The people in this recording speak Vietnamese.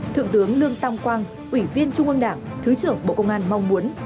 thượng tướng lương tam quang ủy viên trung ương đảng thứ trưởng bộ công an mong muốn